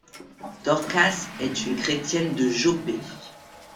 Dorcas est une chrétienne de Joppé.